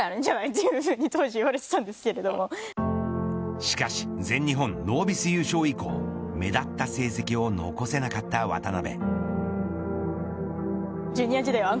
しかし全日本ノービス優勝以降目立った成績を残せなかった渡辺。